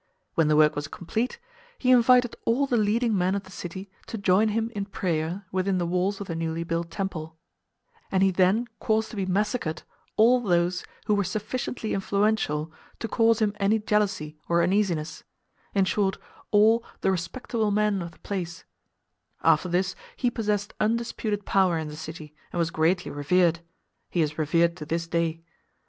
When the work was complete, he invited all the leading men of the city to join him in prayer within the walls of the newly built temple, and he then caused to be massacred all those who were sufficiently influential to cause him any jealousy or uneasiness—in short, all "the respectable men" of the place; after this he possessed undisputed power in the city and was greatly revered—he is revered to this day.